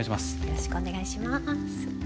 よろしくお願いします。